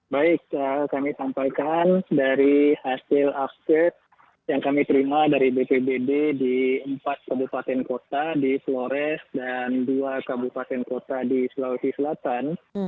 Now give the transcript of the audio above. baik kami sampaikan dari hasil update yang kami terima dari bpbd di empat kabupaten kota di flores dan dua kabupaten kota di sulawesi selatan